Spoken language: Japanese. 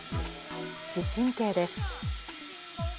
地震計です。